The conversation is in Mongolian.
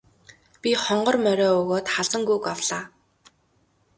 Би хонгор морио өгөөд халзан гүүг авлаа.